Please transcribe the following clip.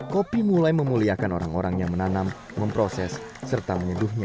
kopi mulai memuliakan orang orang yang menanam memproses serta menyeduhnya